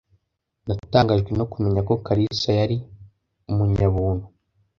Natangajwe no kumenya ko Karisa yari umunyabuntu.